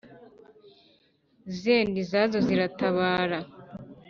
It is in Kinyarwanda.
Zenda izazo ziratabara